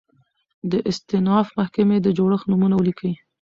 د استیناف محکمي د جوړښت نومونه ولیکئ؟